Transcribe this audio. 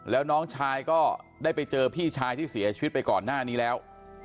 แล้วน้องชายก็ได้ไปเจอพี่ชายที่เสียชีวิตไปก่อนหน้านี้แล้ว